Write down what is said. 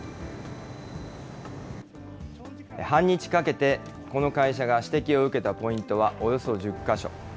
半日かけてこの会社が指摘を受けたポイントはおよそ１０か所。